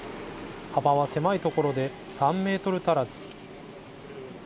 幅は狭いところで３メートル足らず。